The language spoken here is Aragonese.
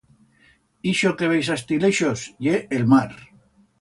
Ixo que veis astí leixos ye el mar.